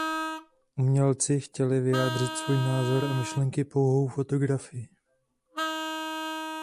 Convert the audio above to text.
Umělci chtěli vyjádřit svůj názor a myšlenky pouhou fotografii.